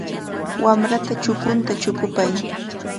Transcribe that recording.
Wamrata chukunta chukupay.